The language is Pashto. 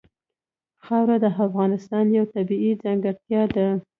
خاوره د افغانستان یوه طبیعي ځانګړتیا ده.